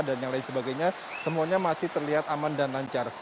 dan yang lain sebagainya semuanya masih terlihat aman dan lancar